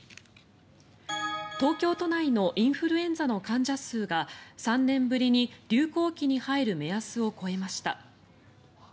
東京都内のインフルエンザの患者数が３年ぶりに流行期に入る目安を超えました。